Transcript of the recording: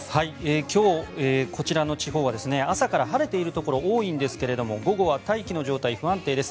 今日、こちらの地方は朝から晴れているところ多いんですけれども午後は大気の状態が不安定です。